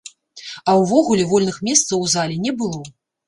А ўвогуле, вольных месцаў у зале не было!